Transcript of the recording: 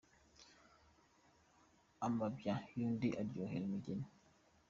Amabya y'undi aryohera umugeri.